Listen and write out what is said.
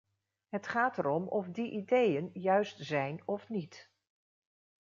Het gaat erom of die ideeën juist zijn of niet.